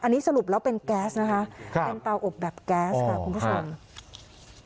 อันนี้สรุปแล้วเป็นแก๊สนะคะครับเป็นเตาอบแบบแก๊สค่ะคุณผู้ชม